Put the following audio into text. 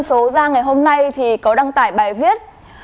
số ra ngày hôm nay thì có đăng tải bài viết